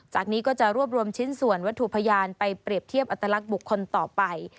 นี้ก็จะรวบรวมชิ้นส่วนวัตถุพยานไปเปรียบเทียบอัตลักษณ์บุคคลต่อไป